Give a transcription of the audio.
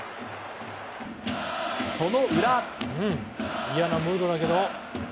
その裏。